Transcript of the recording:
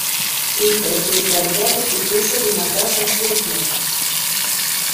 είπε και η καρδιά του χτυπούσε δυνατά στα στήθια του.